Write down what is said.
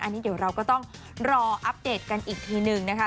อันนี้เดี๋ยวเราก็ต้องรออัปเดตกันอีกทีหนึ่งนะคะ